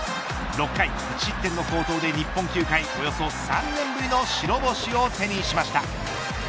６回１失点の好投で日本球界およそ３年ぶりの白星を手にしました。